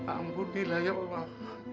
ambudilah ya allah